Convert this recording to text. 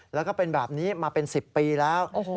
แล้วก็เป็นแบบนี้มาเป็น๑๐ปีแล้ว